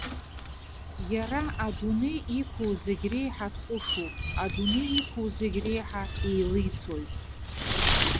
Иара адунеи иқәу зегь реиҳа дҟәышуп, адунеи иқәу зегь реиҳа еилицоит.